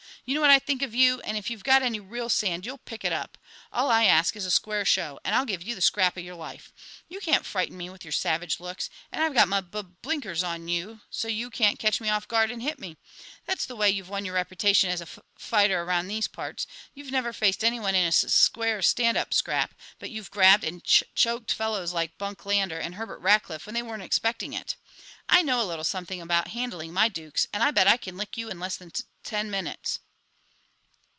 You know what I think of you, and if you've got any real sand you'll pick it up. All I ask is a square show, and I'll give you the scrap of your life. You can't frighten me with your savage looks, and I've got my bub blinkers on you so you can't catch me off my guard and hit me. That's the way you've won your reputation as a fuf fighter around these parts. You've never faced anybody in a sus square stand up scrap, but you've grabbed and ch choked fellows like Bunk Lander and Herbert Rackliff when they weren't expecting it. I know a little something about handling my dukes, and I'll bet I can lick you in less than tut ten minutes."